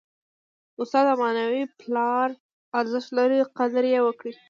استاد د معنوي پلار ارزښت لري. قدر ئې وکړئ!